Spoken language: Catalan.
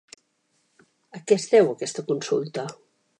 A què es deu aquesta consulta?